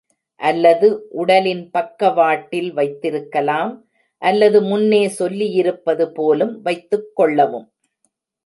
அல்லது உடலின் பக்கவாட்டில் வைத்திருக்கலாம் அல்லது முன்னே சொல்லியிருப்பது போலும் வைத்துக் கொள்ளவும்.